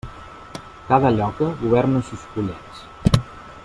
Cada lloca governa sos pollets.